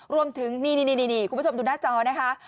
รวมถึงนี่คุณผู้ชมดูหน้าจอนะคะ